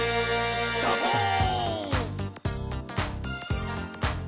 「サボーン！」